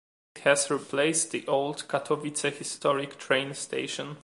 It has replaced the old Katowice historic train station.